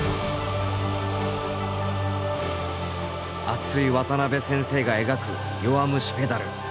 熱い渡辺先生が描く「弱虫ペダル」。